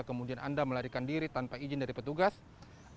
kemudian anda melarikan diri tanpa izin dari petugas